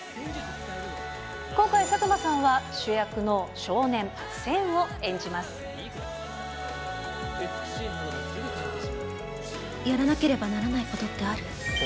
今回、佐久間さんは主役の少年、やらなければならないことっ